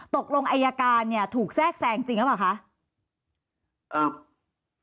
ตกลงอายการเนี่ยถูกแทรกแทรงจริงหรือเปล่าคะครับ